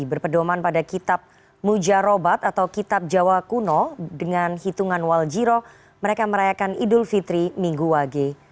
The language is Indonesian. berpedoman pada kitab mujarobat atau kitab jawa kuno dengan hitungan waljiro mereka merayakan idul fitri minggu wage